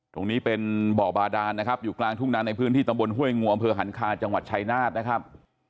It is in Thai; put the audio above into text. ตรงนี้เป็นบ่อบาดานนะครับอยู่กลางทุ่งนานในพื้นที่ตำบลห้วยงูอำเภอหันคาจังหวัดชายนาฏนะครับ